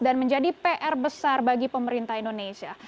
dan menjadi pr besar bagi pemerintah indonesia